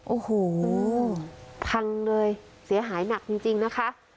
โอ้โหพังเลยเสียหายหนักจริงนะคะ